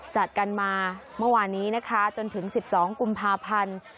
จัดกันมาเมื่อวานนี้นะคะจนถึง๑๒กุมภาพันธ์